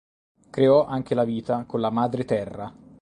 Creò anche la vita con la Madre Terra.